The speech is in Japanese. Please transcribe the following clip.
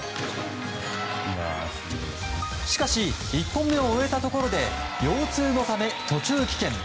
しかし、１本目を終えたところで腰痛のため途中棄権。